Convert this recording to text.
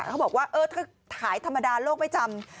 เขาบอกว่าเออถ้าขายธรรมดาโลกไม่จำ